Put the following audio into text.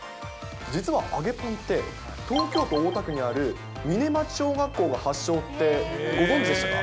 実は揚げパンって、東京都大田区にある嶺町小学校が発祥って、ご存じでしたか？